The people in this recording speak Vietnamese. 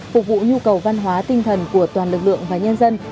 phục vụ nhu cầu văn hóa tinh thần của toàn lực lượng và nhân dân